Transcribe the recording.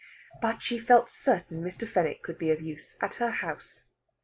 But she felt certain Mr. Fenwick could be of use at her house.